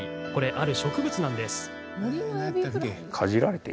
ある植物なんです。